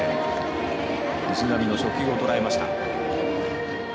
藤浪の初球をとらえました。